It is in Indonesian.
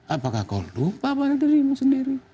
apakah kau lupa apakah dirimu sendiri